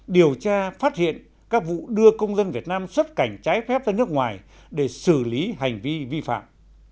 điều tra phát hiện các vụ đưa công dân việt nam xuất cảnh trái phép ra nước ngoài để xử lý hành vi vi phạm